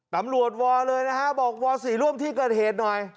ตำรวจวาลเลยนะครับบอกวาลสี่ร่วมที่เกิดเหตุหน่อย